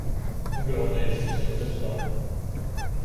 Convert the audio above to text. Everyone needs to sing this song.